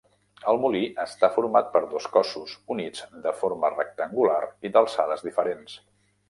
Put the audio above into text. El molí està format per dos cossos units de forma rectangular i d'alçades diferents.